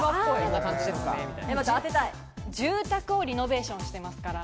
住宅をリノベーションしてますから。